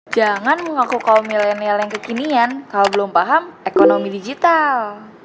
jangan mengaku kaum milenial yang kekinian kalau belum paham ekonomi digital